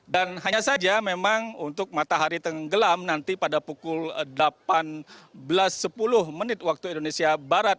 dan hanya saja memang untuk matahari tenggelam nanti pada pukul delapan belas sepuluh menit waktu indonesia barat